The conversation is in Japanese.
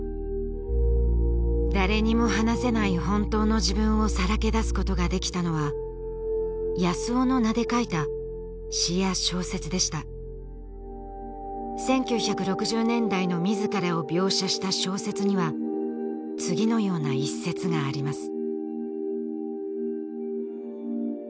誰にも話せない本当の自分をさらけ出すことができたのは康雄の名で書いた詩や小説でした１９６０年代の自らを描写した小説には次のような一節があります